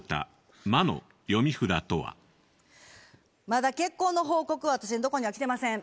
まだ結婚の報告は私のとこにはきてません。